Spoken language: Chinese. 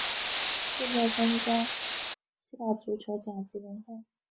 现在参加希腊足球甲级联赛。